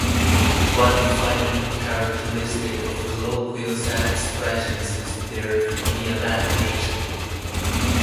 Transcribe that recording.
One defining characteristic of colloquial set-expressions is their idiomatic nature.